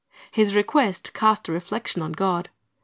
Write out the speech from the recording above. His request cast a reflection on God.